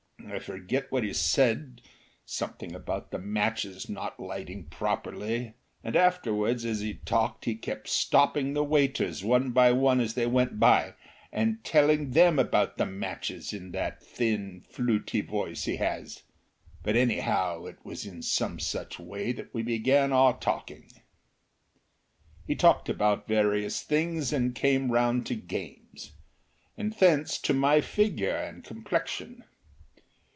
I forget what he said something about the matches not lighting properly, and afterwards as he talked he kept stopping the waiters one by one as they went by, and telling them about the matches in that thin, fluty voice he has. But, anyhow, it was in some such way we began our talking. He talked about various things and came round to games. And thence to my figure and complexion.